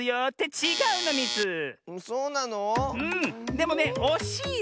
でもねおしいよ